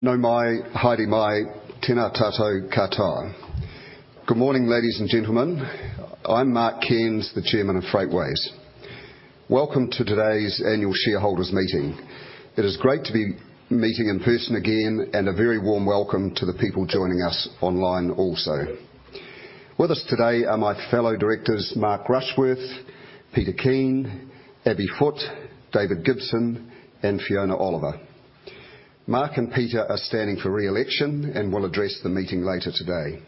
Nau mai, haere mai, tēnā tātou katoa. Good morning, ladies and gentlemen. I'm Mark Cairns, the Chairman of Freightways. Welcome to today's annual shareholders meeting. It is great to be meeting in person again, and a very warm welcome to the people joining us online also. With us today are my fellow directors, Mark Rushworth, Peter Kean, Abby Foote, David Gibson, and Fiona Oliver. Mark and Peter are standing for re-election and will address the meeting later today.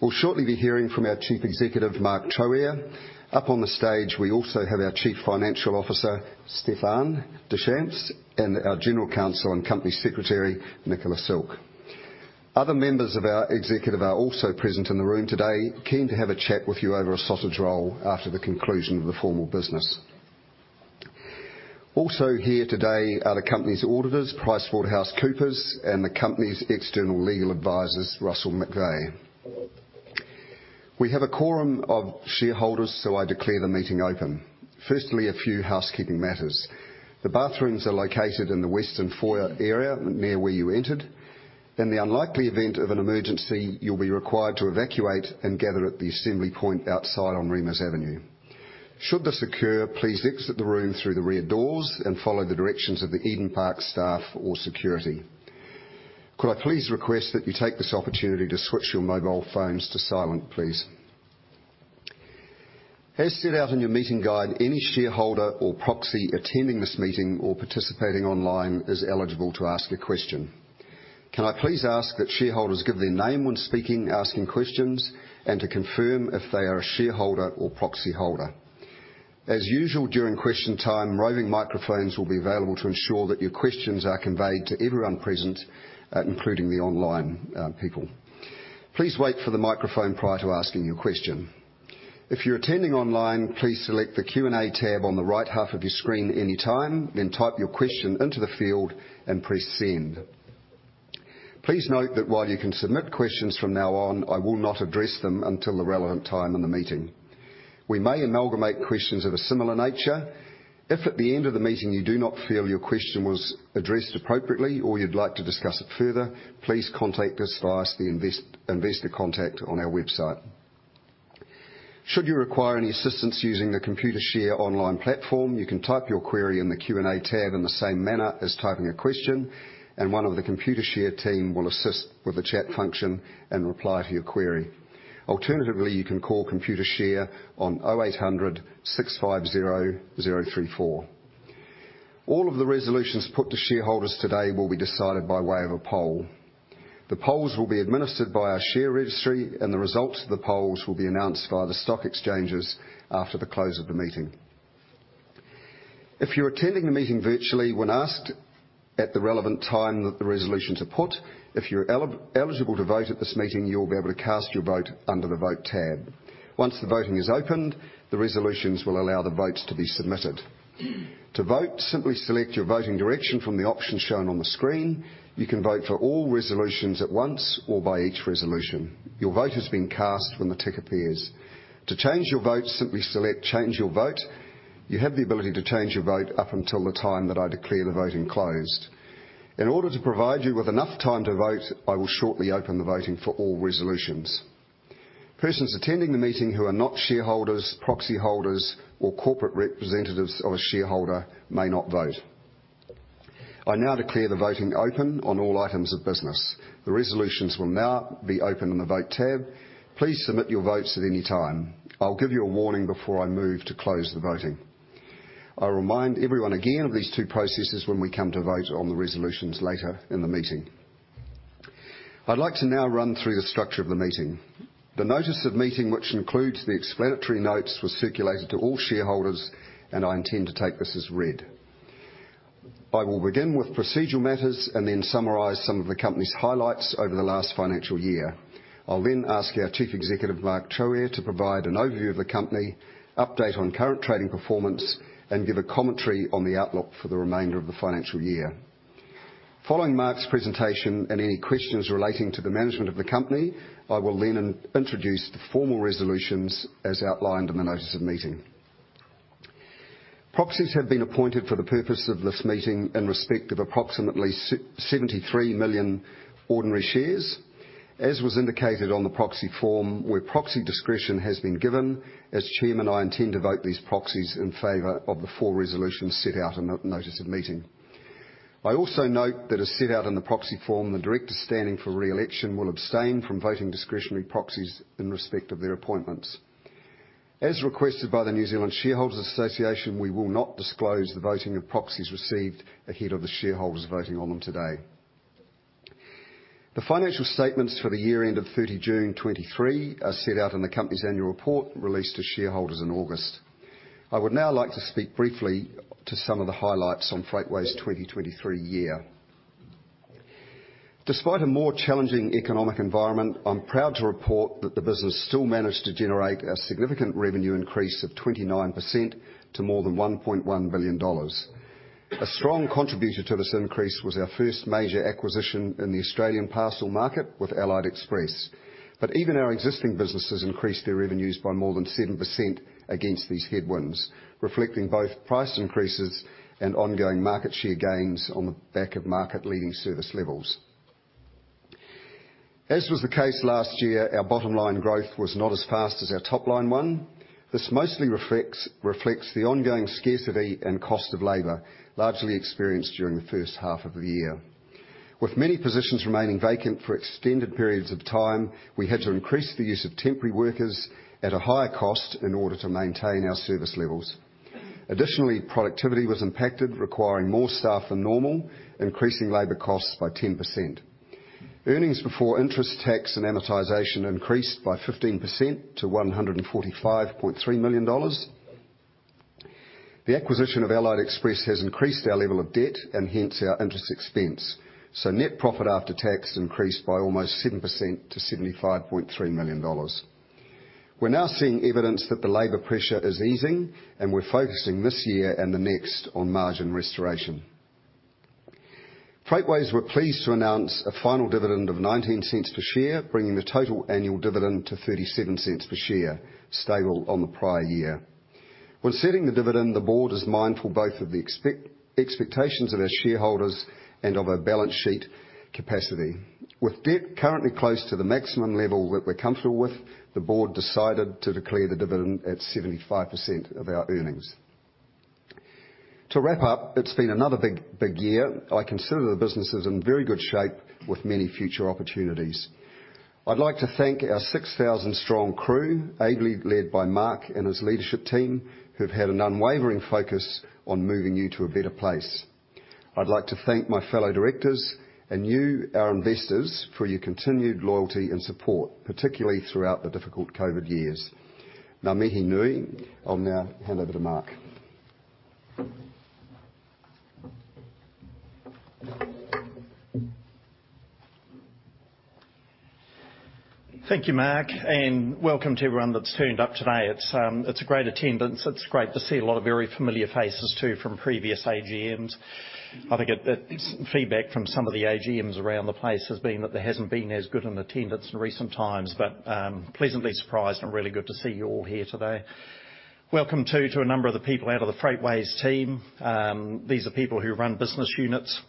We'll shortly be hearing from our Chief Executive, Mark Troughear. Up on the stage, we also have our Chief Financial Officer, Stephan Deschamps, and our General Counsel and Company Secretary, Nicola Silke. Other members of our executive are also present in the room today, keen to have a chat with you over a sausage roll after the conclusion of the formal business. Also here today are the company's auditors, PricewaterhouseCoopers, and the company's external legal advisors, Russell McVeagh. We have a quorum of shareholders, so I declare the meeting open. First, a few housekeeping matters. The bathrooms are located in the western foyer area, near where you entered. In the unlikely event of an emergency, you'll be required to evacuate and gather at the assembly point outside on Reimers Avenue. Should this occur, please exit the room through the rear doors and follow the directions of the Eden Park staff or security. Could I please request that you take this opportunity to switch your mobile phones to silent, please? As set out in your meeting guide, any shareholder or proxy attending this meeting or participating online is eligible to ask a question. Can I please ask that shareholders give their name when speaking, asking questions, and to confirm if they are a shareholder or proxy holder. As usual, during question time, roving microphones will be available to ensure that your questions are conveyed to everyone present, including the online people. Please wait for the microphone prior to asking your question. If you're attending online, please select the Q&A tab on the right half of your screen anytime, then type your question into the field and press Send. Please note that while you can submit questions from now on, I will not address them until the relevant time in the meeting. We may amalgamate questions of a similar nature. If at the end of the meeting you do not feel your question was addressed appropriately or you'd like to discuss it further, please contact us via the investor contact on our website. Should you require any assistance using the Computershare online platform, you can type your query in the Q&A tab in the same manner as typing a question, and one of the Computershare team will assist with the chat function and reply to your query. Alternatively, you can call Computershare on 0800 650 034. All of the resolutions put to shareholders today will be decided by way of a poll. The polls will be administered by our share registry, and the results of the polls will be announced via the stock exchanges after the close of the meeting. If you're attending the meeting virtually, when asked at the relevant time that the resolutions are put, if you're eligible to vote at this meeting, you will be able to cast your vote under the Vote tab. Once the voting is opened, the resolutions will allow the votes to be submitted. To vote, simply select your voting direction from the options shown on the screen. You can vote for all resolutions at once or by each resolution. Your vote has been cast when the tick appears. To change your vote, simply select Change Your Vote. You have the ability to change your vote up until the time that I declare the voting closed. In order to provide you with enough time to vote, I will shortly open the voting for all resolutions. Persons attending the meeting who are not shareholders, proxy holders, or corporate representatives of a shareholder may not vote. I now declare the voting open on all items of business. The resolutions will now be open in the Vote tab. Please submit your votes at any time. I'll give you a warning before I move to close the voting. I remind everyone again of these two processes when we come to vote on the resolutions later in the meeting. I'd like to now run through the structure of the meeting. The notice of meeting, which includes the explanatory notes, was circulated to all shareholders, and I intend to take this as read. I will begin with procedural matters and then summarize some of the company's highlights over the last financial year. I'll then ask our Chief Executive, Mark Troughear, to provide an overview of the company, update on current trading performance, and give a commentary on the outlook for the remainder of the financial year. Following Mark's presentation and any questions relating to the management of the company, I will then introduce the formal resolutions as outlined in the notice of meeting. Proxies have been appointed for the purpose of this meeting in respect of approximately 73 million ordinary shares. As was indicated on the proxy form, where proxy discretion has been given, as chairman, I intend to vote these proxies in favor of the four resolutions set out in the notice of meeting. I also note that as set out in the proxy form, the directors standing for re-election will abstain from voting discretionary proxies in respect of their appointments. As requested by the New Zealand Shareholders Association, we will not disclose the voting of proxies received ahead of the shareholders voting on them today. The financial statements for the year end of 30 June 2023 are set out in the company's annual report, released to shareholders in August. I would now like to speak briefly to some of the highlights on Freightways' 2023 year. Despite a more challenging economic environment, I'm proud to report that the business still managed to generate a significant revenue increase of 29% to more than 1.1 billion dollars. A strong contributor to this increase was our first major acquisition in the Australian parcel market with Allied Express. But even our existing businesses increased their revenues by more than 7% against these headwinds, reflecting both price increases and ongoing market share gains on the back of market-leading service levels.... As was the case last year, our bottom line growth was not as fast as our top line one. This mostly reflects the ongoing scarcity and cost of labor, largely experienced during the first half of the year. With many positions remaining vacant for extended periods of time, we had to increase the use of temporary workers at a higher cost in order to maintain our service levels. Additionally, productivity was impacted, requiring more staff than normal, increasing labor costs by 10%. Earnings before interest, tax, and amortization increased by 15% to 145.3 million dollars. The acquisition of Allied Express has increased our level of debt and hence our interest expense, so net profit after tax increased by almost 7% to 75.3 million dollars. We're now seeing evidence that the labor pressure is easing, and we're focusing this year and the next on margin restoration. Freightways, we're pleased to announce a final dividend of 0.19 per share, bringing the total annual dividend to 0.37 per share, stable on the prior year. When setting the dividend, the board is mindful both of the expectations of our shareholders and of our balance sheet capacity. With debt currently close to the maximum level that we're comfortable with, the board decided to declare the dividend at 75% of our earnings. To wrap up, it's been another big, big year. I consider the business is in very good shape with many future opportunities. I'd like to thank our 6,000 strong crew, ably led by Mark and his leadership team, who've had an unwavering focus on moving you to a better place. I'd like to thank my fellow directors and you, our investors, for your continued loyalty and support, particularly throughout the difficult COVID years. Ngā mihi nui. I'll now hand over to Mark. Thank you, Mark, and welcome to everyone that's turned up today. It's, it's a great attendance. It's great to see a lot of very familiar faces, too, from previous AGMs. I think feedback from some of the AGMs around the place has been that there hasn't been as good an attendance in recent times, but, pleasantly surprised and really good to see you all here today. Welcome, too, to a number of the people out of the Freightways team. These are people who run business units,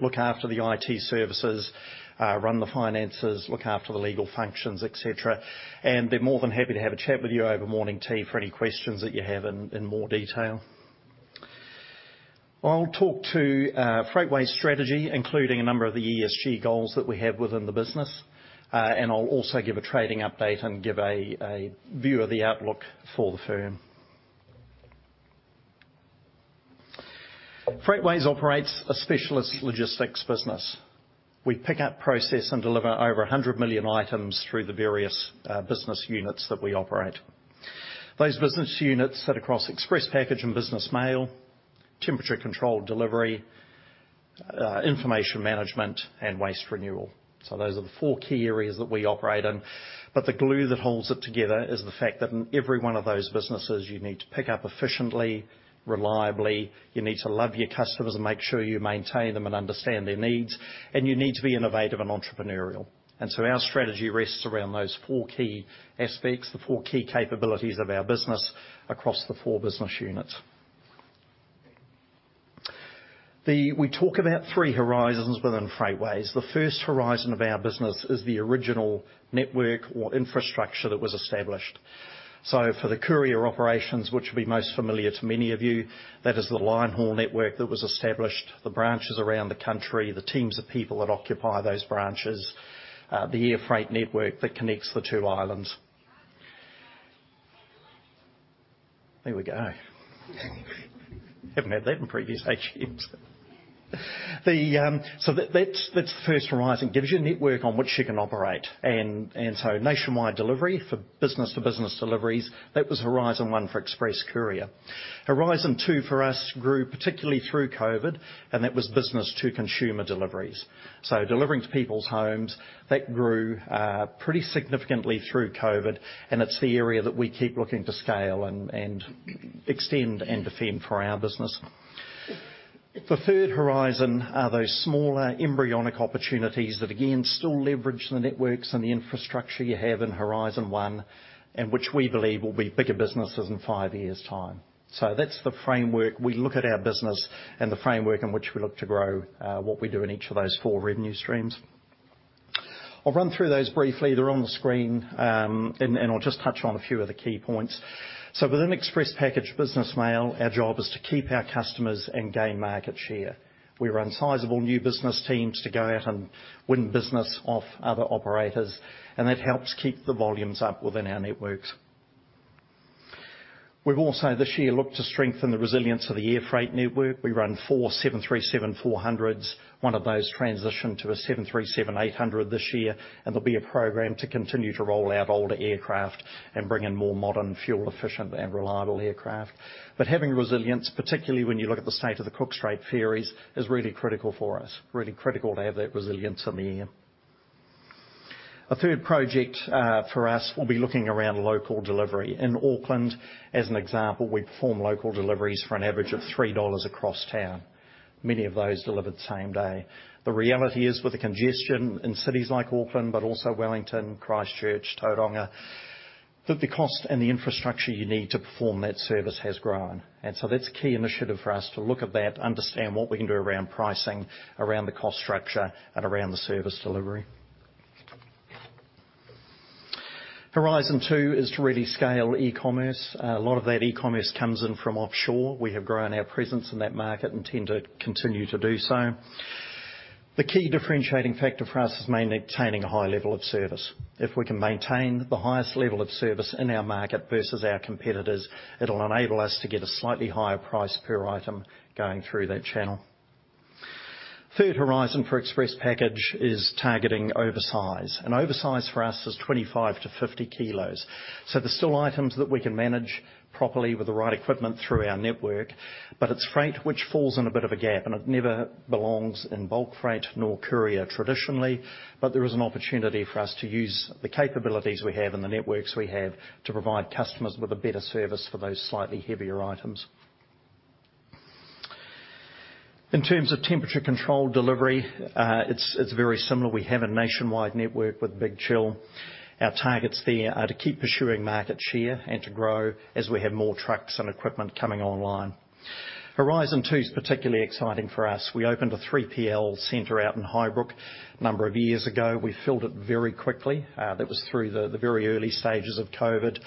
look after the IT services, run the finances, look after the legal functions, et cetera, and they're more than happy to have a chat with you over morning tea for any questions that you have in more detail. I'll talk to, Freightways' strategy, including a number of the ESG goals that we have within the business. And I'll also give a trading update and give a view of the outlook for the firm. Freightways operates a specialist logistics business. We pick up, process, and deliver over 100 million items through the various business units that we operate. Those business units sit across Express Package and Business Mail, temperature control Information Management, and Waste Renewal. So those are the four key areas that we operate in. But the glue that holds it together is the fact that in every one of those businesses, you need to pick up efficiently, reliably, you need to love your customers and make sure you maintain them and understand their needs, and you need to be innovative and entrepreneurial. And so our strategy rests around those four key aspects, the four key capabilities of our business across the four business units. We talk about three horizons within Freightways. The first horizon of our business is the original network or infrastructure that was established. So for the courier operations, which will be most familiar to many of you, that is the Line Haul network that was established, the branches around the country, the teams of people that occupy those branches, the air freight network that connects the two islands. There we go. Haven't had that in previous AGMs. So that's the first horizon, gives you a network on which you can operate, and so nationwide delivery for business to business deliveries, that was Horizon One for Express Courier. Horizon Two for us grew particularly through COVID, and that was business to consumer deliveries. So delivering to people's homes, that grew, pretty significantly through COVID, and it's the area that we keep looking to scale and extend and defend for our business. The third horizon are those smaller, embryonic opportunities that, again, still leverage the networks and the infrastructure you have in Horizon One, and which we believe will be bigger businesses in five years' time. So that's the framework. We look at our business and the framework in which we look to grow what we do in each of those four revenue streams. I'll run through those briefly. They're on the screen, and I'll just touch on a few of the key points. So within Express Package Business Mail, our job is to keep our customers and gain market share. We run sizable new business teams to go out and win business off other operators, and that helps keep the volumes up within our networks. We've also, this year, looked to strengthen the resilience of the air freight network. We run four 737-400s. One of those transitioned to a 737-800 this year, and there'll be a program to continue to roll out older aircraft and bring in more modern, fuel-efficient and reliable aircraft. But having resilience, particularly when you look at the state of the Cook Strait ferries, is really critical for us, really critical to have that resilience in the air. A third project, for us will be looking around local delivery. In Auckland, as an example, we perform local deliveries for an average of 3 dollars across town. Many of those delivered same day. The reality is, with the congestion in cities like Auckland, but also Wellington, Christchurch, Tauranga, but the cost and the infrastructure you need to perform that service has grown. And so that's a key initiative for us to look at that, understand what we can do around pricing, around the cost structure, and around the service delivery. Horizon two is to really scale e-commerce. A lot of that e-commerce comes in from offshore. We have grown our presence in that market and tend to continue to do so. The key differentiating factor for us is maintaining a high level of service. If we can maintain the highest level of service in our market versus our competitors, it'll enable us to get a slightly higher price per item going through that channel. Third horizon for Express Package is targeting oversize, and oversize for us is 25-50 kilos. So they're still items that we can manage properly with the right equipment through our network, but it's freight, which falls in a bit of a gap, and it never belongs in bulk freight nor courier traditionally. But there is an opportunity for us to use the capabilities we have and the networks we have to provide customers with a better service for those slightly heavier items. In terms of temperature-controlled delivery, it's very similar. We have a nationwide network with Big Chill. Our targets there are to keep pursuing market share and to grow as we have more trucks and equipment coming online. Horizon two is particularly exciting for us. We opened a 3PL center out in Highbrook a number of years ago. We filled it very quickly. That was through the very early stages of COVID.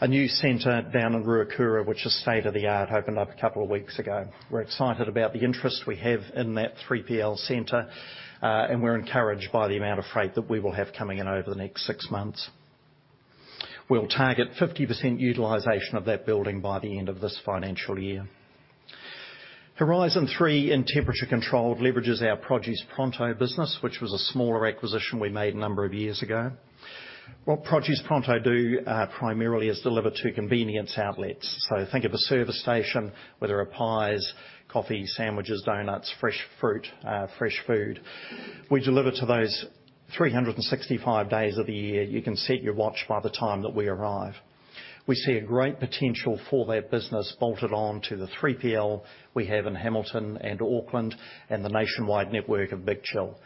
A new center down in Ruakura, which is state-of-the-art, opened up a couple of weeks ago. We're excited about the interest we have in that 3PL center, and we're encouraged by the amount of freight that we will have coming in over the next six months. We'll target 50% utilization of that building by the end of this financial year. Horizon three in temperature controlled, leverages our Produce Pronto business, which was a smaller acquisition we made a number of years ago. What Produce Pronto do, primarily, is deliver to convenience outlets. So think of a service station, whether it pies, coffee, sandwiches, donuts, fresh fruit, fresh food. We deliver to those 365 days of the year. You can set your watch by the time that we arrive. We see a great potential for that business bolted on to the 3PL we have in Hamilton and Auckland, and the nationwide network of Big Chill.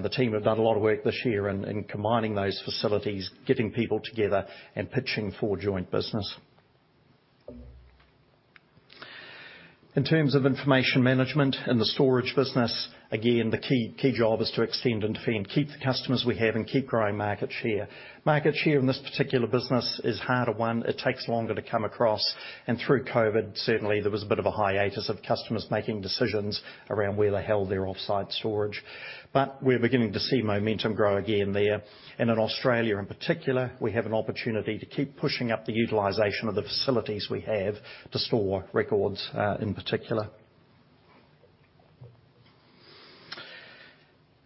The team have done a lot of work this year in combining those facilities, getting people together, and pitching for joint business. In terms of Information Management and the storage business, again, the key, key job is to extend and defend, keep the customers we have and keep growing market share. Market share in this particular business is harder one. It takes longer to come across, and through COVID, certainly, there was a bit of a hiatus of customers making decisions around where they held their offsite storage. But we're beginning to see momentum grow again there. And in Australia, in particular, we have an opportunity to keep pushing up the utilization of the facilities we have to store records, in particular.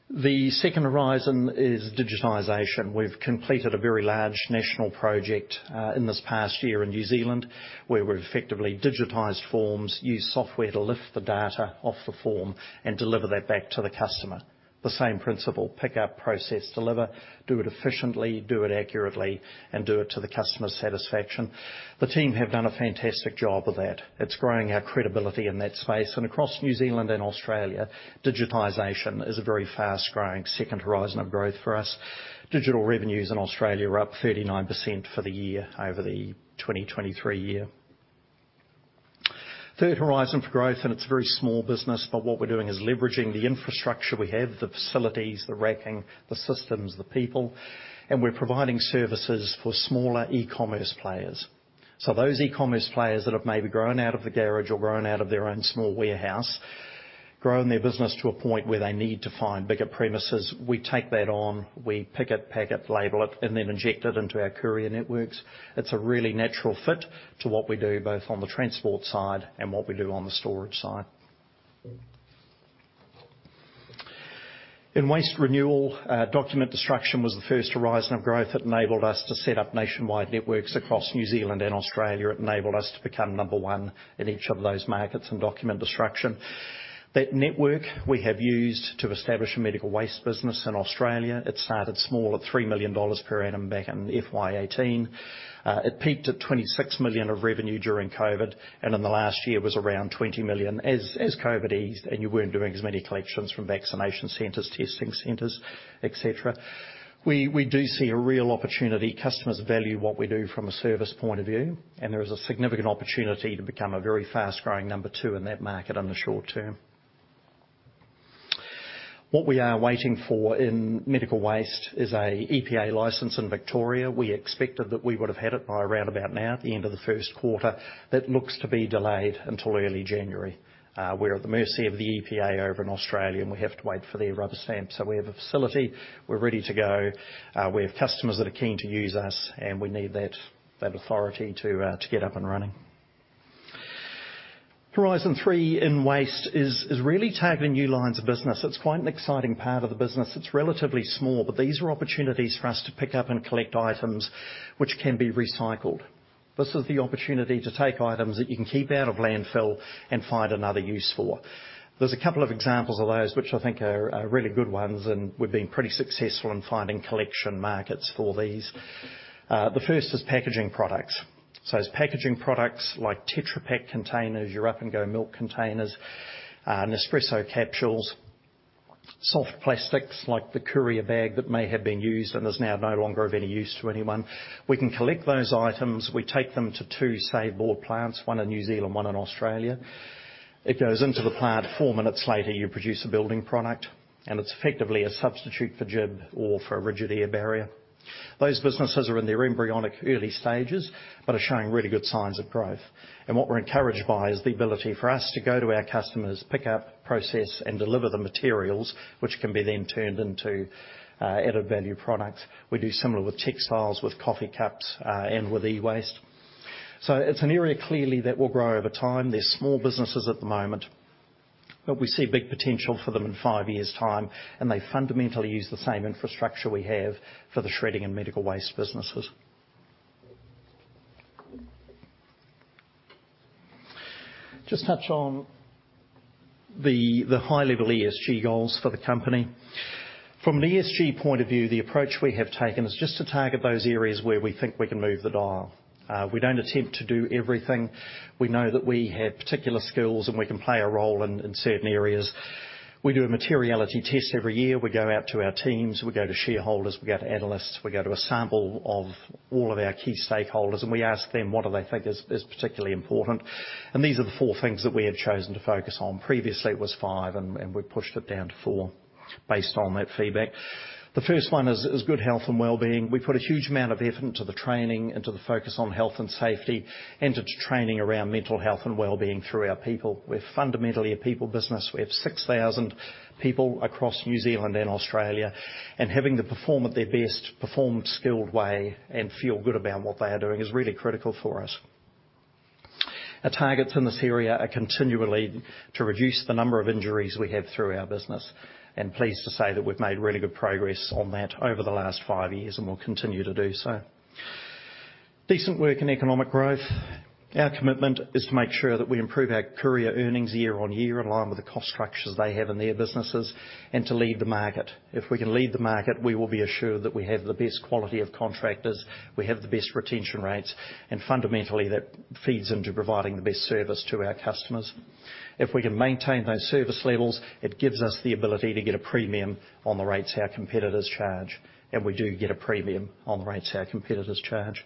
The second horizon is digitization. We've completed a very large national project, in this past year in New Zealand, where we've effectively digitized forms, used software to lift the data off the form, and deliver that back to the customer. The same principle, pick up, process, deliver, do it efficiently, do it accurately, and do it to the customer's satisfaction. The team have done a fantastic job with that. It's growing our credibility in that space. And across New Zealand and Australia, digitization is a very fast-growing second horizon of growth for us. Digital revenues in Australia are up 39% for the year over the 2023 year. Third horizon for growth, and it's a very small business, but what we're doing is leveraging the infrastructure we have, the facilities, the racking, the systems, the people, and we're providing services for smaller e-commerce players. So those e-commerce players that have maybe grown out of the garage or grown out of their own small warehouse, grown their business to a point where they need to find bigger premises, we take that on, we pick it, pack it, label it, and then inject it into our courier networks. It's a really natural fit to what we do, both on the transport side and what we do on the storage side. In Waste Renewal, document destruction was the first horizon of growth that enabled us to set up nationwide networks across New Zealand and Australia. It enabled us to become number one in each of those markets in document destruction. That network we have used to establish a medical waste business in Australia. It started small, at 3 million dollars per annum back in FY 2018. It peaked at 26 million of revenue during COVID, and in the last year was around 20 million. As COVID eased, and you weren't doing as many collections from vaccination centers, testing centers, et cetera, we do see a real opportunity. Customers value what we do from a service point of view, and there is a significant opportunity to become a very fast-growing number two in that market in the short term. What we are waiting for in medical waste is an EPA license in Victoria. We expected that we would have had it by around about now, at the end of the first quarter. That looks to be delayed until early January. We're at the mercy of the EPA over in Australia, and we have to wait for their rubber stamp. So we have a facility. We're ready to go. We have customers that are keen to use us, and we need that authority to get up and running. Horizon three in waste is really targeting new lines of business. It's quite an exciting part of the business. It's relatively small, but these are opportunities for us to pick up and collect items which can be recycled. This is the opportunity to take items that you can keep out of landfill and find another use for. There's a couple of examples of those, which I think are really good ones, and we've been pretty successful in finding collection markets for these. The first is packaging products. So it's packaging products like Tetra Pak containers, your Up&Go milk containers, Nespresso capsules, soft plastics, like the courier bag that may have been used and is now no longer of any use to anyone. We can collect those items. We take them to two saveBOARD plants, one in New Zealand, one in Australia. It goes into the plant, four minutes later, you produce a building product, and it's effectively a substitute for GIB or for a rigid air barrier. Those businesses are in their embryonic early stages, but are showing really good signs of growth. And what we're encouraged by is the ability for us to go to our customers, pick up, process, and deliver the materials, which can be then turned into, added-value products. We do similar with textiles, with coffee cups, and with e-waste. So it's an area clearly that will grow over time. They're small businesses at the moment, but we see big potential for them in five years' time, and they fundamentally use the same infrastructure we have for the shredding and medical waste businesses. Just touch on the high-level ESG goals for the company. From an ESG point of view, the approach we have taken is just to target those areas where we think we can move the dial. We don't attempt to do everything. We know that we have particular skills, and we can play a role in certain areas. We do a materiality test every year. We go out to our teams, we go to shareholders, we go to analysts, we go to a sample of all of our key stakeholders, and we ask them, what do they think is particularly important? And these are the four things that we have chosen to focus on. Previously, it was five, and we pushed it down to four based on that feedback. The first one is good health and well-being. We put a huge amount of effort into the training, into the focus on health and safety, and into training around mental health and well-being through our people. We're fundamentally a people business. We have 6,000 people across New Zealand and Australia, and having them perform at their best, perform in a skilled way, and feel good about what they are doing is really critical for us. Our targets in this area are continually to reduce the number of injuries we have through our business, and pleased to say that we've made really good progress on that over the last five years, and we'll continue to do so. Decent work and economic growth. Our commitment is to make sure that we improve our courier earnings year on year, in line with the cost structures they have in their businesses, and to lead the market. If we can lead the market, we will be assured that we have the best quality of contractors, we have the best retention rates, and fundamentally, that feeds into providing the best service to our customers. If we can maintain those service levels, it gives us the ability to get a premium on the rates our competitors charge, and we do get a premium on the rates our competitors charge.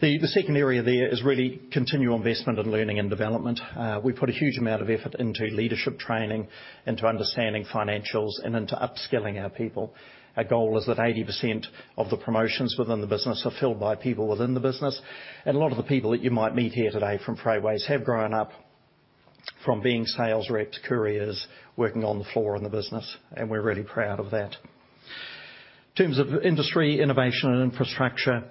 The second area there is really continual investment in learning and development. We put a huge amount of effort into leadership training, into understanding financials, and into upskilling our people. Our goal is that 80% of the promotions within the business are filled by people within the business. A lot of the people that you might meet here today from Freightways have grown up from being sales reps, couriers, working on the floor in the business, and we're really proud of that. In terms of industry, innovation, and infrastructure,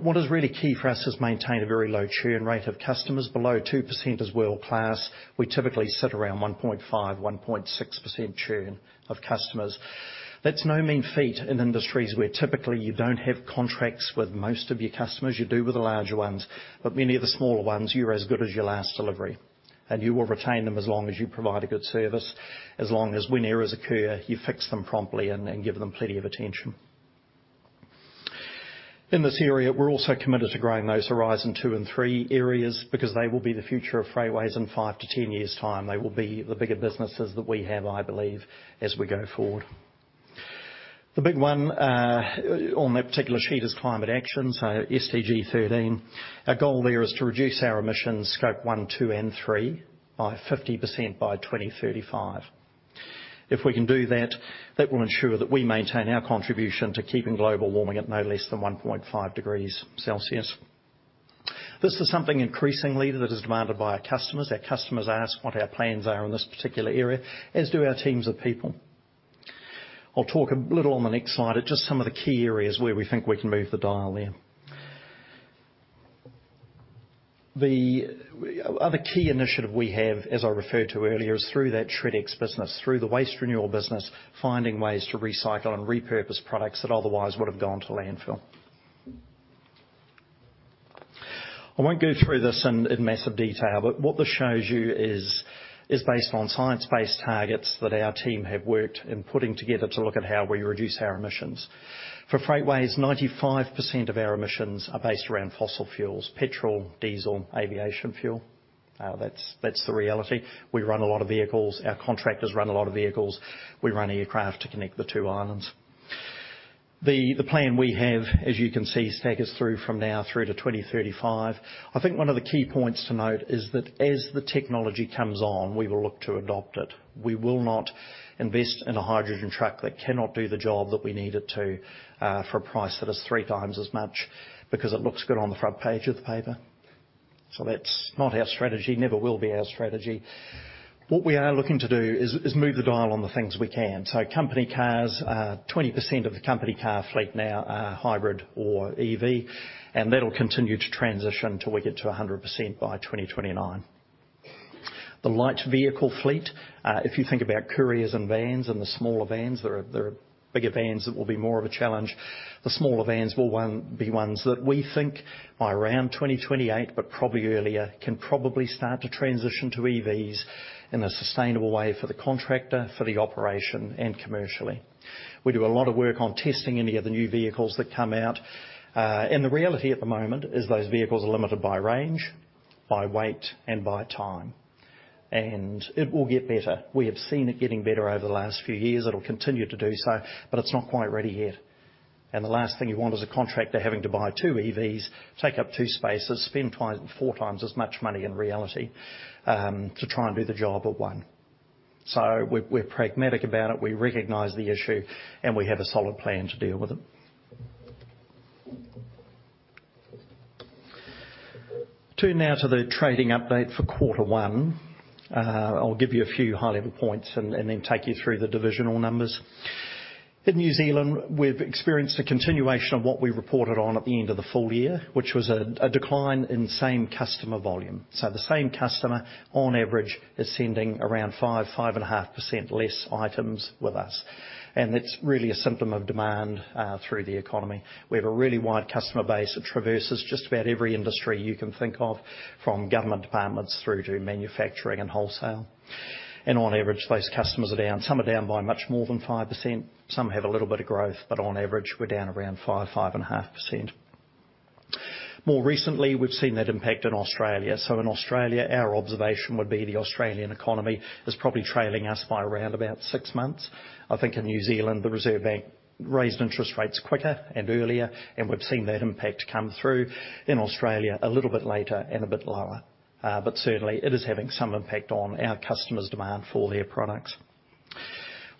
what is really key for us is maintain a very low churn rate of customers. Below 2% is world-class. We typically sit around 1.5, 1.6% churn of customers. That's no mean feat in industries where typically you don't have contracts with most of your customers. You do with the larger ones, but many of the smaller ones, you're as good as your last delivery, and you will retain them as long as you provide a good service, as long as when errors occur, you fix them promptly and give them plenty of attention. In this area, we're also committed to growing those horizon two and three areas because they will be the future of Freightways in 5-10 years' time. They will be the bigger businesses that we have, I believe, as we go forward. The big one on that particular sheet is climate action, so SDG 13. Our goal there is to reduce our emissions, Scope 1, 2, and 3, by 50% by 2035. If we can do that, that will ensure that we maintain our contribution to keeping global warming at no less than 1.5 degrees Celsius. This is something increasingly that is demanded by our customers. Our customers ask what our plans are in this particular area, as do our teams of people. I'll talk a little on the next slide at just some of the key areas where we think we can move the dial there. The other key initiative we have, as I referred to earlier, is through that Shred-X business, through the Waste Renewal business, finding ways to recycle and repurpose products that otherwise would have gone to landfill. I won't go through this in massive detail, but what this shows you is based on science-based targets that our team have worked in putting together to look at how we reduce our emissions. For Freightways, 95% of our emissions are based around fossil fuels, petrol, diesel, aviation fuel. That's the reality. We run a lot of vehicles. Our contractors run a lot of vehicles. We run aircraft to connect the two islands. The plan we have, as you can see, take us through from now through to 2035. I think one of the key points to note is that as the technology comes on, we will look to adopt it. We will not invest in a hydrogen truck that cannot do the job that we need it to for a price that is three times as much because it looks good on the front page of the paper. So that's not our strategy, never will be our strategy. What we are looking to do is move the dial on the things we can. So company cars, 20% of the company car fleet now are hybrid or EV, and that'll continue to transition till we get to 100% by 2029. The light vehicle fleet, if you think about couriers and vans and the smaller vans, there are bigger vans that will be more of a challenge. The smaller vans will be ones that we think by around 2028, but probably earlier, can probably start to transition to EVs in a sustainable way for the contractor, for the operation, and commercially. We do a lot of work on testing any of the new vehicles that come out. And the reality at the moment is those vehicles are limited by range by weight and by time, and it will get better. We have seen it getting better over the last few years. It'll continue to do so, but it's not quite ready yet. The last thing you want is a contractor having to buy 2 EVs, take up 2 spaces, spend twice, 4 times as much money in reality, to try and do the job of one. So we're pragmatic about it. We recognize the issue, and we have a solid plan to deal with it. Turn now to the trading update for quarter one. I'll give you a few high-level points and then take you through the divisional numbers. In New Zealand, we've experienced a continuation of what we reported on at the end of the full year, which was a decline in same customer volume. So the same customer, on average, is sending around 5, 5.5% less items with us, and it's really a symptom of demand through the economy. We have a really wide customer base that traverses just about every industry you can think of, from government departments through to manufacturing and wholesale. And on average, those customers are down. Some are down by much more than 5%, some have a little bit of growth, but on average, we're down around 5, 5.5%. More recently, we've seen that impact in Australia. So in Australia, our observation would be the Australian economy is probably trailing us by around about 6 months. I think in New Zealand, the Reserve Bank raised interest rates quicker and earlier, and we've seen that impact come through in Australia a little bit later and a bit lower. But certainly, it is having some impact on our customers' demand for their products.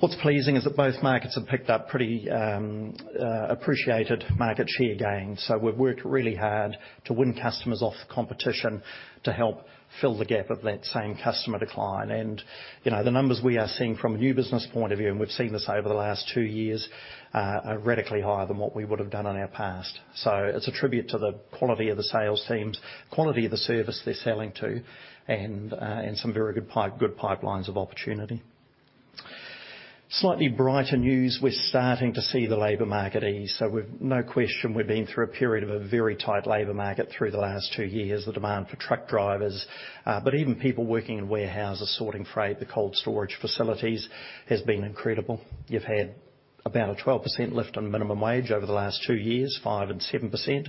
What's pleasing is that both markets have picked up pretty appreciated market share gains. So we've worked really hard to win customers off the competition to help fill the gap of that same customer decline. And, you know, the numbers we are seeing from a new business point of view, and we've seen this over the last two years, are radically higher than what we would have done in our past. So it's a tribute to the quality of the sales teams, quality of the service they're selling to, and some very good pipelines of opportunity. Slightly brighter news, we're starting to see the labor market ease. So we've no question, we've been through a period of a very tight labor market through the last 2 years, the demand for truck drivers. But even people working in warehouses, sorting freight, the cold storage facilities, has been incredible. You've had about a 12% lift in minimum wage over the last 2 years, 5% and 7%,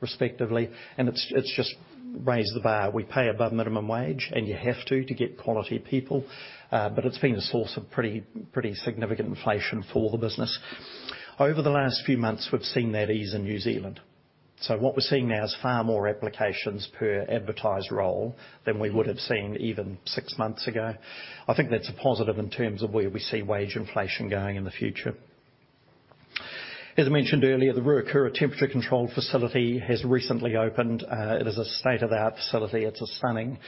respectively, and it's, it's just raised the bar. We pay above minimum wage, and you have to, to get quality people, but it's been a source of pretty, pretty significant inflation for the business. Over the last few months, we've seen that ease in New Zealand. So what we're seeing now is far more applications per advertised role than we would have seen even 6 months ago. I think that's a positive in terms of where we see wage inflation going in the future. As I mentioned earlier, the Ruakura temperature-controlled facility has recently opened. It is a state-of-the-art facility. It's a stunning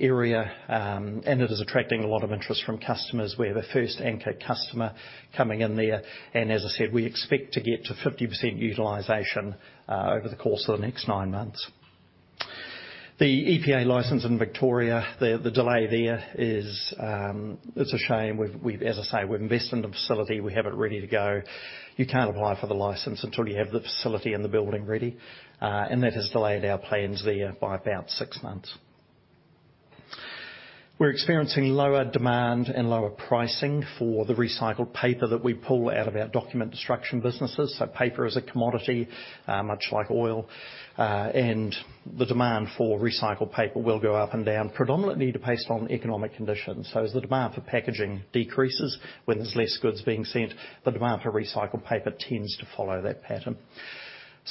area, and it is attracting a lot of interest from customers. We have a first anchor customer coming in there, and as I said, we expect to get to 50% utilization, over the course of the next 9 months. The EPA license in Victoria, the delay there is, it's a shame. As I say, we've invested in the facility, we have it ready to go. You can't apply for the license until you have the facility and the building ready, and that has delayed our plans there by about 6 months. We're experiencing lower demand and lower pricing for the recycled paper that we pull out of our document destruction businesses. Paper is a commodity, much like oil, and the demand for recycled paper will go up and down, predominantly based on economic conditions. As the demand for packaging decreases, when there's less goods being sent, the demand for recycled paper tends to follow that pattern.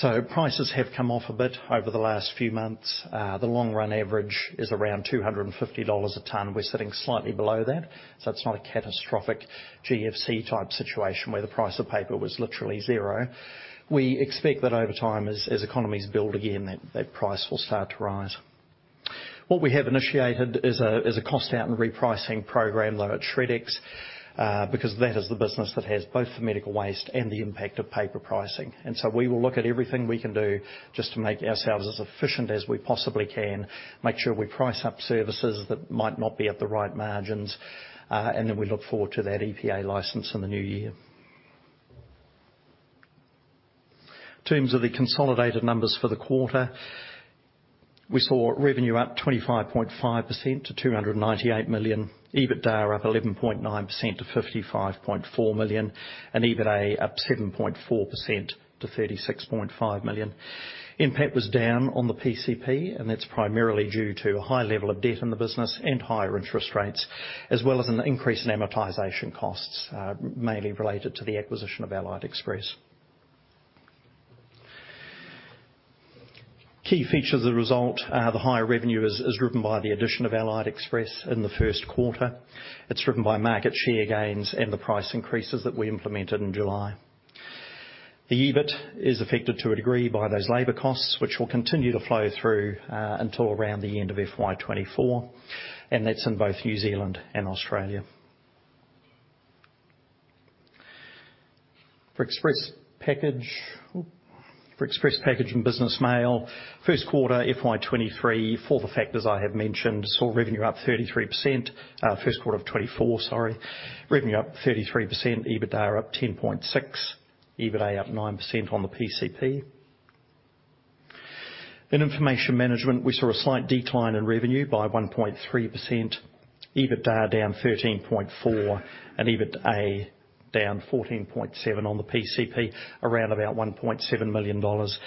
Prices have come off a bit over the last few months. The long-run average is around 250 dollars a ton. We're sitting slightly below that, so it's not a catastrophic GFC-type situation where the price of paper was literally zero. We expect that over time, as economies build again, that price will start to rise. What we have initiated is a cost-out and repricing program though at Shred-X, because that is the business that has both the medical waste and the impact of paper pricing. We will look at everything we can do just to make ourselves as efficient as we possibly can, make sure we price up services that might not be at the right margins, and then we look forward to that EPA license in the new year. In terms of the consolidated numbers for the quarter, we saw revenue up 25.5% to 298 million, EBITDA up 11.9% to 55.4 million, and EBITA up 7.4% to 36.5 million. NPAT was down on the PCP, and that's primarily due to a high level of debt in the business and higher interest rates, as well as an increase in amortization costs, mainly related to the acquisition of Allied Express. Key features of the result, the higher revenue is driven by the addition of Allied Express in the first quarter. It's driven by market share gains and the price increases that we implemented in July. The EBIT is affected to a degree by those labor costs, which will continue to flow through until around the end of FY 2024, and that's in both New Zealand and Australia. For Epress Package and business mail, first quarter, FY 2023, for the factors I have mentioned, saw revenue up 33%. First quarter of 2024, sorry. Revenue up 33%, EBITDA up 10.6%, EBITA up 9% on the PCP. In Information Management, we saw a slight decline in revenue by 1.3%. EBITDA down 13.4, and EBITA down 14.7 on the PCP, around about 1.7 million dollars.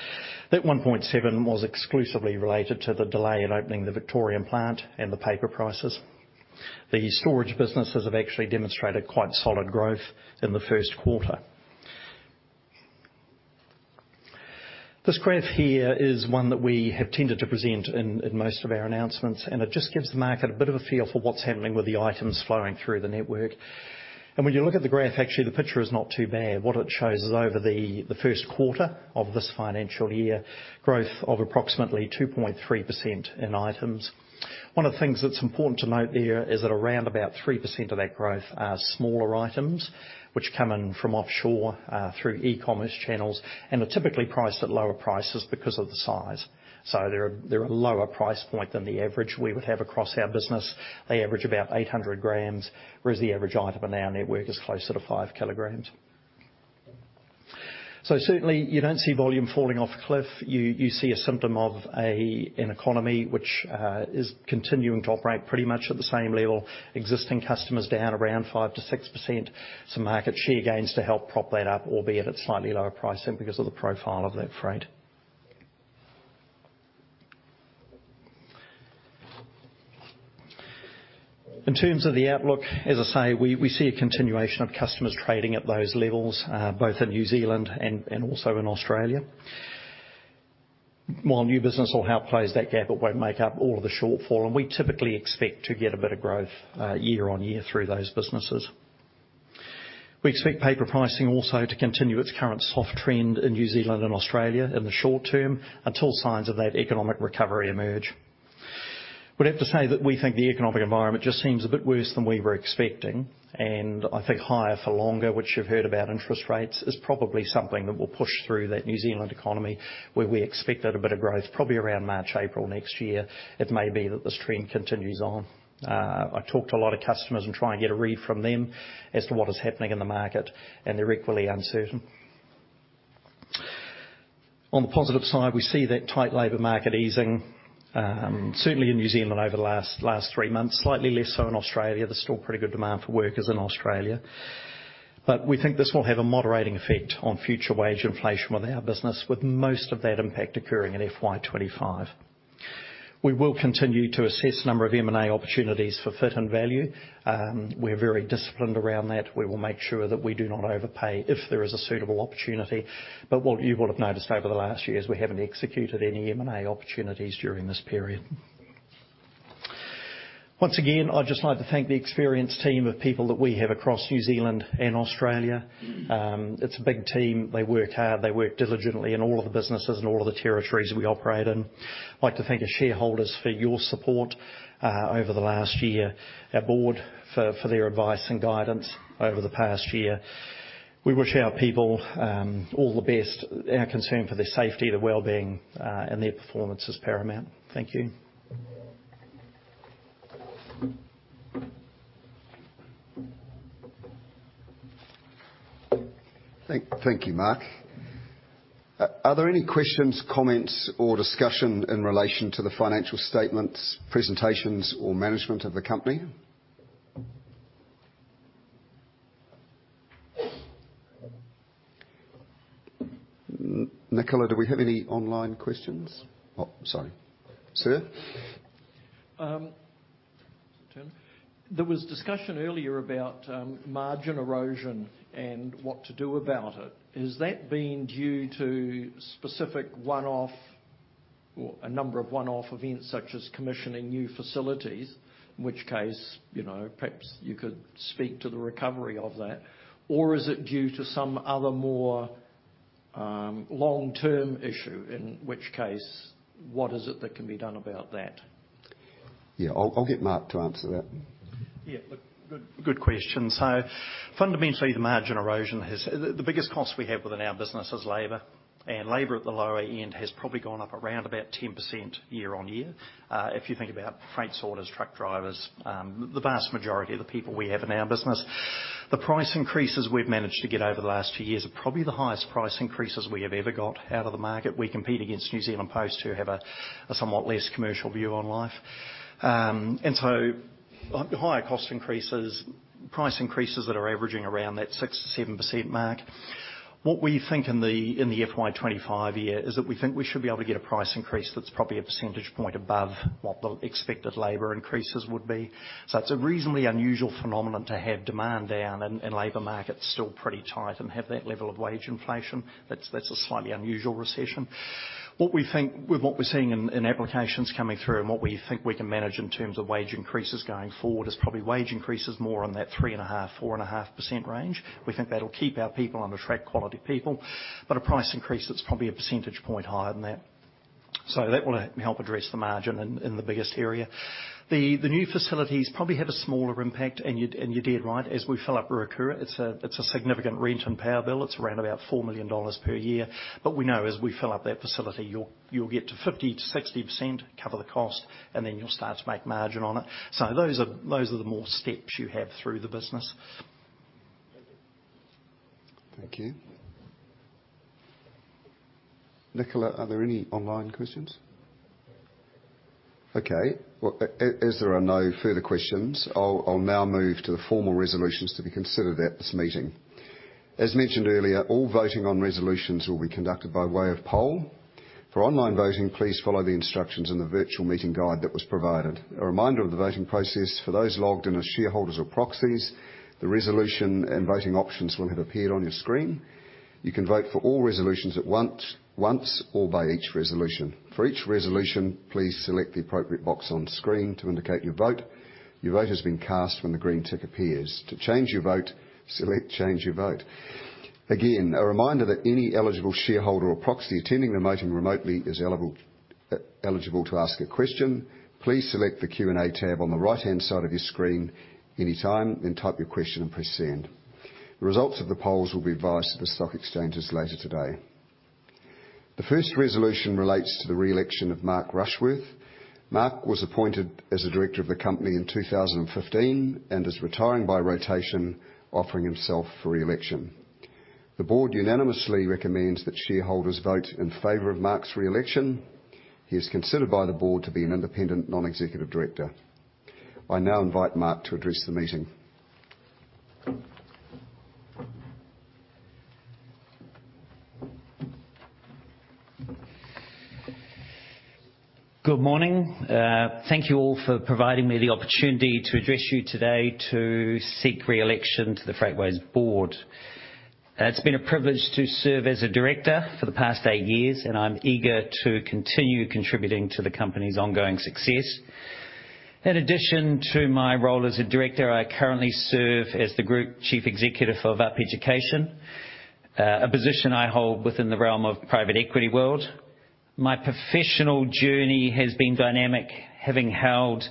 That 1.7 was exclusively related to the delay in opening the Victorian plant and the paper prices. The storage businesses have actually demonstrated quite solid growth in the first quarter. This graph here is one that we have tended to present in most of our announcements, and it just gives the market a bit of a feel for what's happening with the items flowing through the network. And when you look at the graph, actually, the picture is not too bad. What it shows is over the first quarter of this financial year, growth of approximately 2.3% in items. One of the things that's important to note there is that around about 3% of that growth are smaller items, which come in from offshore through e-commerce channels, and are typically priced at lower prices because of the size. So they're a lower price point than the average we would have across our business. They average about 800 grams, whereas the average item in our network is closer to 5 kilograms. So certainly, you don't see volume falling off a cliff. You see a symptom of an economy which is continuing to operate pretty much at the same level, existing customers down around 5%-6%. Some market share gains to help prop that up, albeit at slightly lower pricing because of the profile of that freight. In terms of the outlook, as I say, we see a continuation of customers trading at those levels, both in New Zealand and also in Australia. While new business will help close that gap, it won't make up all of the shortfall, and we typically expect to get a bit of growth, year-on-year through those businesses. We expect paper pricing also to continue its current soft trend in New Zealand and Australia in the short term, until signs of that economic recovery emerge. Would have to say that we think the economic environment just seems a bit worse than we were expecting, and I think higher for longer, which you've heard about interest rates, is probably something that will push through that New Zealand economy, where we expected a bit of growth, probably around March, April next year. It may be that the stream continues on. I talked to a lot of customers and try and get a read from them as to what is happening in the market, and they're equally uncertain. On the positive side, we see that tight labor market easing, certainly in New Zealand over the last three months, slightly less so in Australia. There's still pretty good demand for workers in Australia. But we think this will have a moderating effect on future wage inflation with our business, with most of that impact occurring in FY 25. We will continue to assess a number of M&A opportunities for fit and value. We're very disciplined around that. We will make sure that we do not overpay if there is a suitable opportunity. But what you would have noticed over the last years, we haven't executed any M&A opportunities during this period. Once again, I'd just like to thank the experienced team of people that we have across New Zealand and Australia. It's a big team. They work hard, they work diligently in all of the businesses and all of the territories we operate in. I'd like to thank our shareholders for your support over the last year, our board for their advice and guidance over the past year. We wish our people all the best. Our concern for their safety, their well-being, and their performance is paramount. Thank you. Thank you, Mark. Are there any questions, comments, or discussion in relation to the financial statements, presentations, or management of the company? Nicola, do we have any online questions? Oh, sorry. Sir? There was discussion earlier about margin erosion and what to do about it. Has that been due to specific one-off or a number of one-off events such as commissioning new facilities, in which case, you know, perhaps you could speak to the recovery of that? Or is it due to some other more long-term issue, in which case, what is it that can be done about that? Yeah, I'll get Mark to answer that. Yeah, look, good, good question. So fundamentally, the margin erosion has... The biggest cost we have within our business is labor, and labor at the lower end has probably gone up around about 10% year-on-year. If you think about freight sorters, truck drivers, the vast majority of the people we have in our business, the price increases we've managed to get over the last few years are probably the highest price increases we have ever got out of the market. We compete against New Zealand Post, who have a somewhat less commercial view on life. And so higher cost increases, price increases that are averaging around that 6%-7% mark. What we think in the FY 25 year is that we think we should be able to get a price increase that's probably a percentage point above what the expected labor increases would be. So it's a reasonably unusual phenomenon to have demand down and labor markets still pretty tight and have that level of wage inflation. That's a slightly unusual recession. What we think with what we're seeing in applications coming through and what we think we can manage in terms of wage increases going forward is probably wage increases more on that 3.5%-4.5% range. We think that'll keep our people on the track, quality people, but a price increase that's probably a percentage point higher than that. So that will help me address the margin in the biggest area. The new facilities probably have a smaller impact, and you're dead right. As we fill up Ruakura, it's a significant rent and power bill. It's around about 4 million dollars per year. But we know as we fill up that facility, you'll get to 50%-60%, cover the cost, and then you'll start to make margin on it. So those are the more steps you have through the business. Thank you. Nicola, are there any online questions? Okay, well, as there are no further questions, I'll now move to the formal resolutions to be considered at this meeting. As mentioned earlier, all voting on resolutions will be conducted by way of poll. For online voting, please follow the instructions in the virtual meeting guide that was provided. A reminder of the voting process for those logged in as shareholders or proxies: the resolution and voting options will have appeared on your screen. You can vote for all resolutions at once or by each resolution. For each resolution, please select the appropriate box on screen to indicate your vote. Your vote has been cast when the green tick appears. To change your vote, select Change Your Vote. Again, a reminder that any eligible shareholder or proxy attending the meeting remotely is eligible to ask a question. Please select the Q&A tab on the right-hand side of your screen anytime, then type your question and press Send. The results of the polls will be advised to the stock exchanges later today. The first resolution relates to the re-election of Mark Rushworth. Mark was appointed as a director of the company in 2015 and is retiring by rotation, offering himself for re-election. The board unanimously recommends that shareholders vote in favor of Mark's re-election. He is considered by the board to be an independent non-executive director. I now invite Mark to address the meeting. Good morning. Thank you all for providing me the opportunity to address you today to seek re-election to the Freightways board. It's been a privilege to serve as a director for the past eight years, and I'm eager to continue contributing to the company's ongoing success. In addition to my role as a director, I currently serve as the Group Chief Executive of UP Education, a position I hold within the realm of private equity world. My professional journey has been dynamic, having held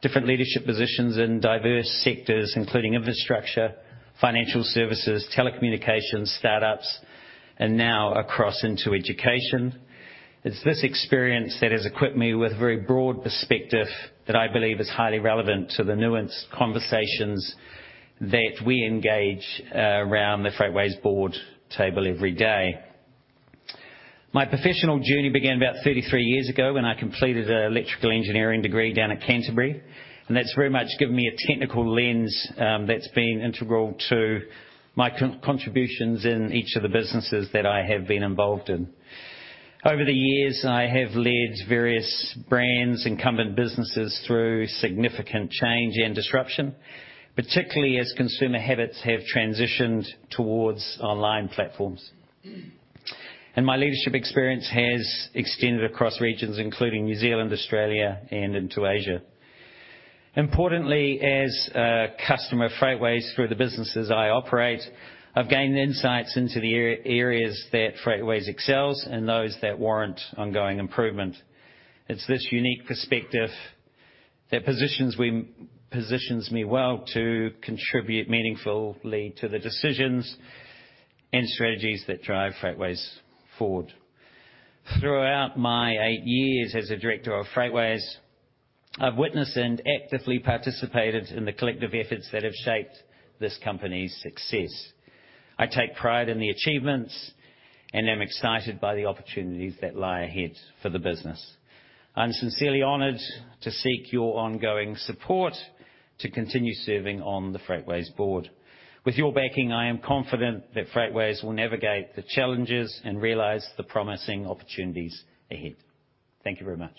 different leadership positions in diverse sectors, including infrastructure, financial services, telecommunications, startups, and now across into education. It's this experience that has equipped me with very broad perspective that I believe is highly relevant to the nuanced conversations that we engage around the Freightways board table every day. My professional journey began about 33 years ago when I completed an electrical engineering degree down at Canterbury, and that's very much given me a technical lens, that's been integral to my contributions in each of the businesses that I have been involved in. Over the years, I have led various brands, incumbent businesses through significant change and disruption, particularly as consumer habits have transitioned towards online platforms. My leadership experience has extended across regions including New Zealand, Australia, and into Asia. Importantly, as a customer of Freightways, through the businesses I operate, I've gained insights into the areas that Freightways excels and those that warrant ongoing improvement. It's this unique perspective that positions me well to contribute meaningfully to the decisions and strategies that drive Freightways forward. Throughout my eight years as a director of Freightways, I've witnessed and actively participated in the collective efforts that have shaped this company's success. I take pride in the achievements and am excited by the opportunities that lie ahead for the business. I'm sincerely honored to seek your ongoing support to continue serving on the Freightways board. With your backing, I am confident that Freightways will navigate the challenges and realize the promising opportunities ahead. Thank you very much.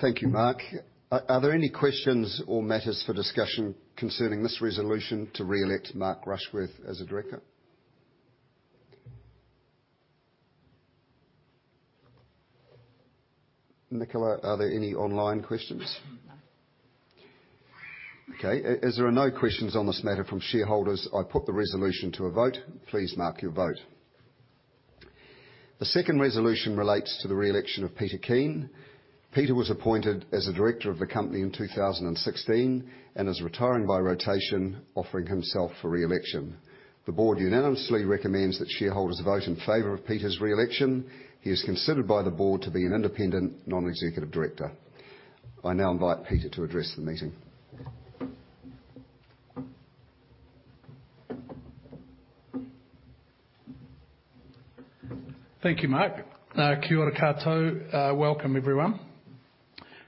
Thank you, Mark. Are there any questions or matters for discussion concerning this resolution to re-elect Mark Rushworth as a director? Nicola, are there any online questions? No. Okay. As there are no questions on this matter from shareholders, I put the resolution to a vote. Please mark your vote. The second resolution relates to the re-election of Peter Kean. Peter was appointed as a director of the company in 2016 and is retiring by rotation, offering himself for re-election. The board unanimously recommends that shareholders vote in favor of Peter's re-election. He is considered by the board to be an independent, non-executive director. I now invite Peter to address the meeting. Thank you, Mark. Kia ora koutou. Welcome, everyone,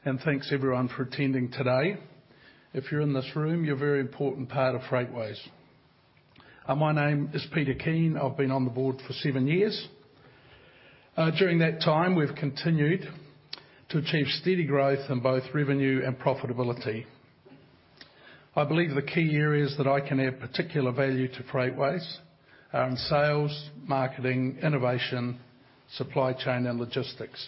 and thanks, everyone, for attending today. If you're in this room, you're a very important part of Freightways. My name is Peter Kean. I've been on the board for seven years. During that time, we've continued to achieve steady growth in both revenue and profitability. I believe the key areas that I can add particular value to Freightways are in sales, marketing, innovation, supply chain, and logistics.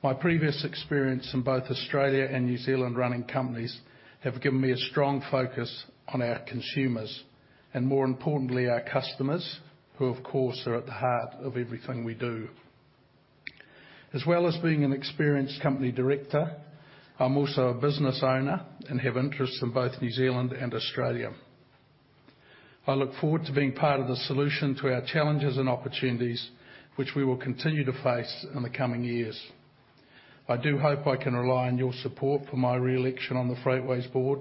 My previous experience in both Australia and New Zealand running companies have given me a strong focus on our consumers and, more importantly, our customers, who, of course, are at the heart of everything we do. As well as being an experienced company director, I'm also a business owner and have interests in both New Zealand and Australia. I look forward to being part of the solution to our challenges and opportunities, which we will continue to face in the coming years. I do hope I can rely on your support for my re-election on the Freightways board,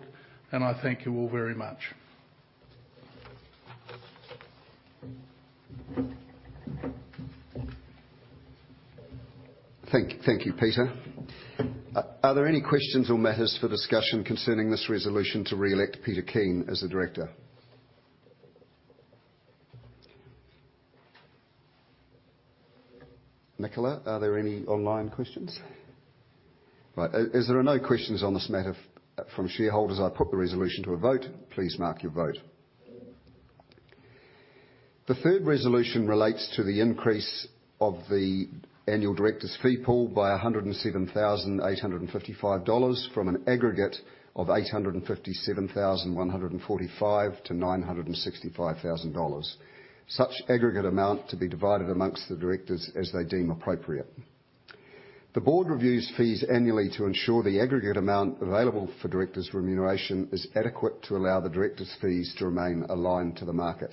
and I thank you all very much. Thank you, Peter. Are there any questions or matters for discussion concerning this resolution to re-elect Peter Kean as the director? Nicola, are there any online questions? Right. As there are no questions on this matter from shareholders, I'll put the resolution to a vote. Please mark your vote. The third resolution relates to the increase of the annual directors' fee pool by 107,855 dollars, from an aggregate of 857,145 to 965,000 dollars. Such aggregate amount to be divided amongst the directors as they deem appropriate. The board reviews fees annually to ensure the aggregate amount available for directors' remuneration is adequate to allow the directors' fees to remain aligned to the market.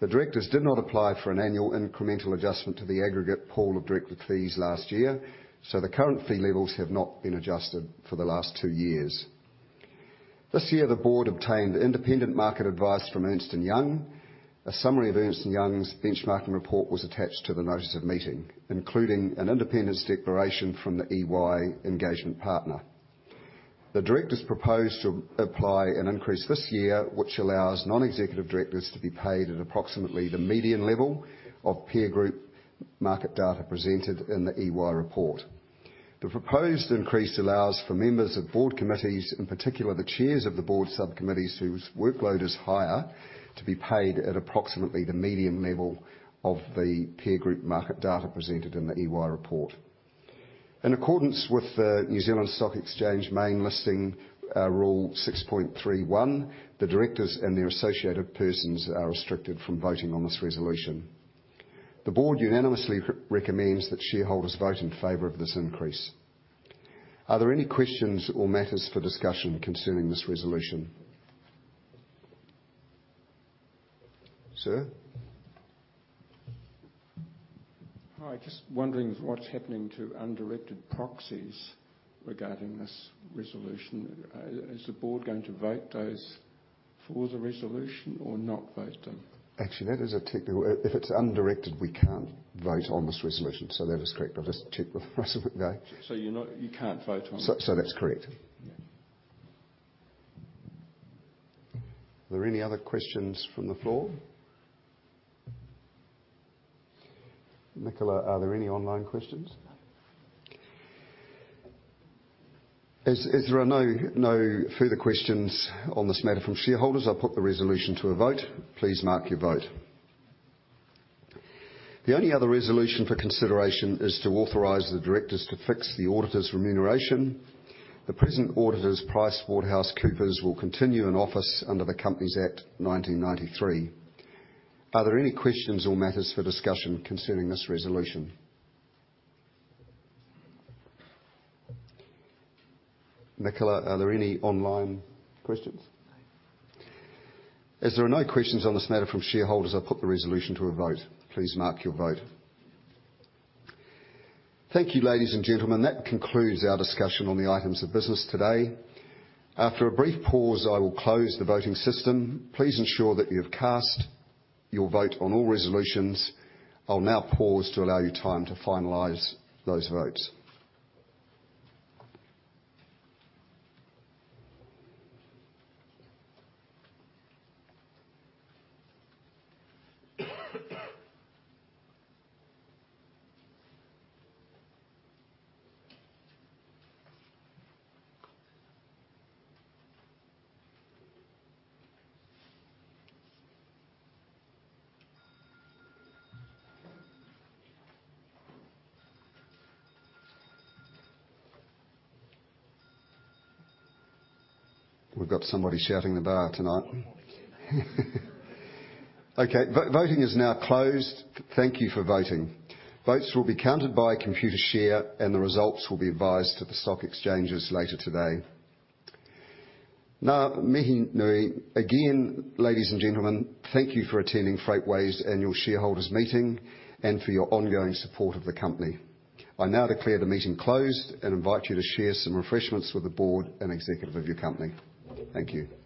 The directors did not apply for an annual incremental adjustment to the aggregate pool of director fees last year, so the current fee levels have not been adjusted for the last two years. This year, the board obtained independent market advice from Ernst & Young. A summary of Ernst & Young's benchmarking report was attached to the notice of meeting, including an independence declaration from the EY engagement partner. The directors proposed to apply an increase this year, which allows non-executive directors to be paid at approximately the median level of peer group market data presented in the EY report. The proposed increase allows for members of board committees, in particular, the chairs of the board subcommittees, whose workload is higher, to be paid at approximately the median level of the peer group market data presented in the EY report. In accordance with the New Zealand Stock Exchange main listing, Rule 6.3.1, the directors and their associated persons are restricted from voting on this resolution. The board unanimously recommends that shareholders vote in favor of this increase. Are there any questions or matters for discussion concerning this resolution? Sir? Hi. Just wondering what's happening to undirected proxies regarding this resolution. Is the board going to vote those for the resolution or not vote them? Actually, that is a technical... If it's undirected, we can't vote on this resolution, so that is correct. I'll just check with Russell today. So you can't vote on it? So, that's correct. Yeah. Are there any other questions from the floor? Nicola, are there any online questions? No. As there are no further questions on this matter from shareholders, I'll put the resolution to a vote. Please mark your vote. The only other resolution for consideration is to authorize the directors to fix the auditors' remuneration. The present auditors, PricewaterhouseCoopers, will continue in office under the Companies Act 1993. Are there any questions or matters for discussion concerning this resolution? Nicola, are there any online questions? No. As there are no questions on this matter from shareholders, I'll put the resolution to a vote. Please mark your vote. Thank you, ladies and gentlemen. That concludes our discussion on the items of business today. After a brief pause, I will close the voting system. Please ensure that you have cast your vote on all resolutions. I'll now pause to allow you time to finalize those votes. We've got somebody shouting the bar tonight. Okay, voting is now closed. Thank you for voting. Votes will be counted by Computershare, and the results will be advised to the stock exchanges later today. Ngā mihi nui, again, ladies and gentlemen, thank you for attending Freightways' Annual Shareholders Meeting and for your ongoing support of the company. I now declare the meeting closed and invite you to share some refreshments with the board and executive of your company. Thank you.